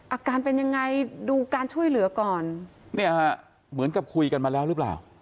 อาการเป็นยังไงดูการช่วยเหลือก่อนเนี่ยฮะเหมือนกับคุยกันมาแล้วหรือเปล่า